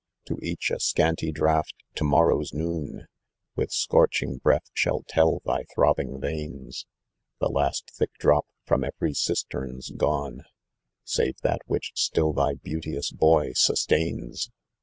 * To each a scanty draughtâ€" tomorrow's noon With scorching breath shall tell thy throbbing veins, The last thick drop from every cistern's gone, Save that which still thy beauteous boy sustains."